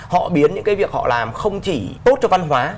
họ biến những cái việc họ làm không chỉ tốt cho văn hóa